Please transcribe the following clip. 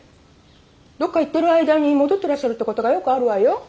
どっか行ってる間に戻ってらっしゃるってことがよくあるわよ。